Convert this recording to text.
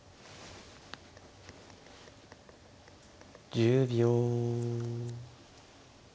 １０秒。